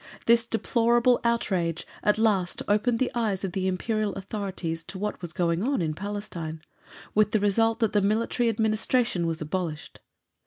This deplorable outrage at last opened the eyes of the Imperial Authorities to what was going on in Palestine, with the result that the Military Administration was abolished.